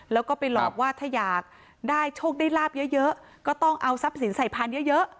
แล้วก็ไปหลอกว่าถ้าอยากได้โชคได้ลาบเยอะก็ต้องเอาทรัพย์สินใส่พานเยอะ